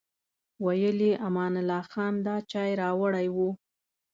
ویل یې امان الله خان دا چای راوړی و.